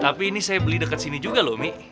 tapi ini saya beli dekat sini juga loh mik